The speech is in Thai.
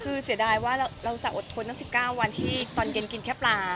คือเสียดายว่าเราจะอดทนตั้ง๑๙วันที่ตอนเย็นกินแค่ปลา